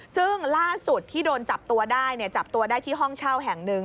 ซึ่งล่าสุดที่โดนจับตัวได้จับตัวได้ที่ห้องเช่าแห่งหนึ่ง